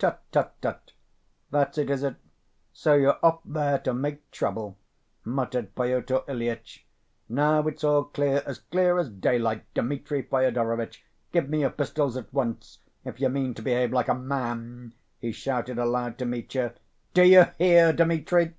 "Tut—tut—tut! That's it, is it? So you're off there to make trouble!" muttered Pyotr Ilyitch. "Now, it's all clear, as clear as daylight. Dmitri Fyodorovitch, give me your pistols at once if you mean to behave like a man," he shouted aloud to Mitya. "Do you hear, Dmitri?"